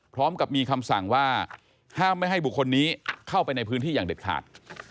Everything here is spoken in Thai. พร้อมกับมีคำสั่งว่าห้ามไม่ให้บุคคลนี้เข้าไปในพื้นที่อย่างเด็ดขาด